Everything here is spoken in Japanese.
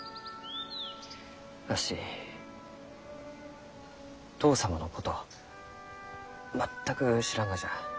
わし父様のこと全く知らんがじゃ。